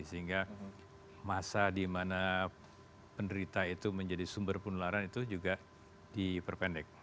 sehingga masa di mana penderita itu menjadi sumber penularan itu juga diperpendek